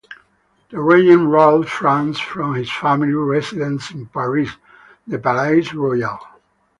The regent ruled France from his family residence in Paris, the Palais-Royal.